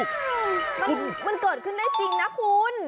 มันเกิดขึ้นได้จริงนะคุณ